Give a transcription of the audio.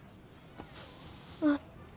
あっ。